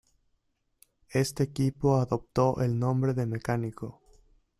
Este equipo adoptó el nombre de "Mecánico".